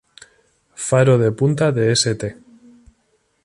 Faro de Punta de St.